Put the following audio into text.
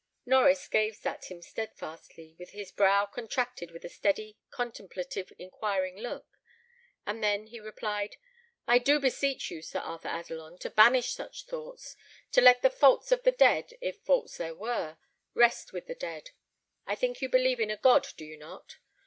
Norries gazed at him steadfastly, with his brow contracted with a steady, contemplative, inquiring look; and then he replied, "I do beseech you, Sir Arthur Adelon, to banish such thoughts, to let the faults of the dead, if faults there were, rest with the dead. I think you believe in a God, do you not?